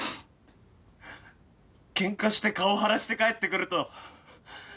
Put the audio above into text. ケンカして顔腫らして帰ってくると。